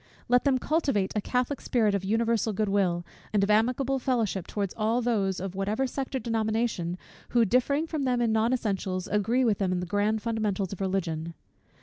Let them cultivate a catholic spirit of universal good will, and of amicable fellowship towards all those, of whatever sect or denomination, who, differing from them in non essentials, agree with them in the grand fundamentals of Religion.